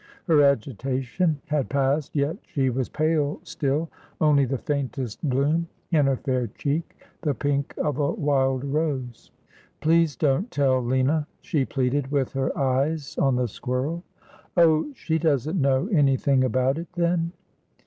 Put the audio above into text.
Her agitation had passed, yet she was pale still, only the faintest bloom in her fair cheek, the pink of a wild rose. ' Please don't tell Lina,' she pleaded, with her eyes on the squirrel. ' Oh, she doesn't know anything about it then